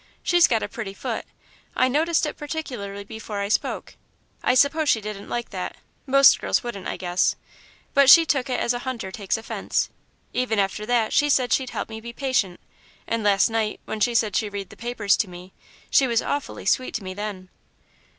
She's got a pretty foot; I noticed it particularly before I spoke I suppose she didn't like that most girls wouldn't, I guess, but she took it as a hunter takes a fence. Even after that, she said she'd help me be patient, and last night, when she said she'd read the papers to me she was awfully sweet to me then.